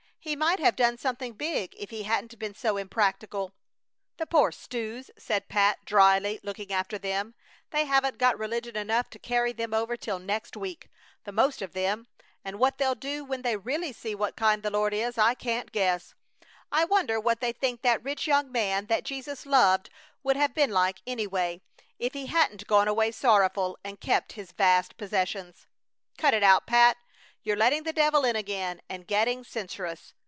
He might have done something big if he hadn't been so impractical!" "The poor stews!" said Pat, dryly, looking after them. "They haven't got religion enough to carry them over till next week, the most of them, and what they'll do when they really see what kind the Lord is I can't guess! I wonder what they think that rich young man that Jesus loved would have been like, anyway, if he hadn't gone away sorrowful and kept his vast possessions. Cut it out, Pat! You're letting the devil in again and getting censorious!